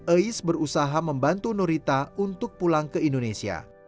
ais berusaha membantu nurita untuk pulang ke indonesia